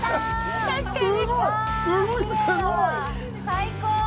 最高！